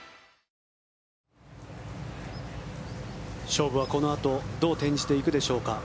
勝負はこのあとどう転じていくでしょうか。